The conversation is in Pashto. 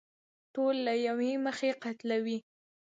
ټول له يوې مخې قتلوي.